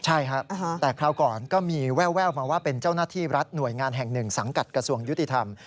ใช่ครับแต่คราวก่อนก็มีแววมาว่าเป็นเจ้าหน้าที่รัฐหน่วยงานแห่งหนึ่งสังกัดกระทรวงยุติธรรม